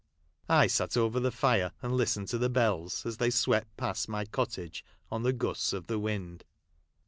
I sat over the fire, and list ened to the bells, as they swept past my cottage on the gusts of the wind.